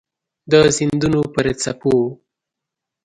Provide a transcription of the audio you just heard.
د سیندونو پر څپو